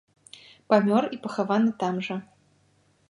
Памёр і пахаваны там жа.